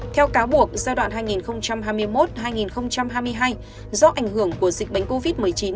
theo cáo buộc giai đoạn hai nghìn hai mươi một hai nghìn hai mươi hai do ảnh hưởng của dịch bệnh covid một mươi chín